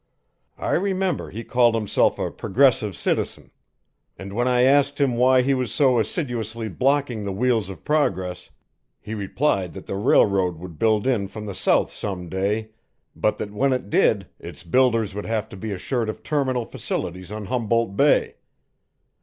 I remember he called himself a progressive citizen, and when I asked him why he was so assiduously blocking the wheels of progress, he replied that the railroad would build in from the south some day, but that when it did, its builders would have to be assured of terminal facilities on Humboldt Bay.